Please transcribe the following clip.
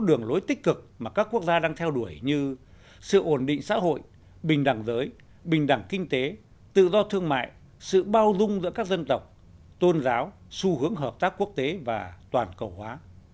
các đường lối tích cực mà các quốc gia đang theo đuổi như sự ổn định xã hội bình đẳng giới bình đẳng kinh tế tự do thương mại sự bao dung giữa các dân tộc tôn giáo xu hướng hợp tác quốc tế và toàn cầu hóa